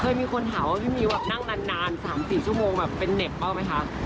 เคยมีคนถามว่าพี่มีแบบนั่งนาน๓๔ชั่วโมงแบบเป็นเหน็บเปล่าไหมคะ